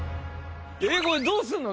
これどうすんの？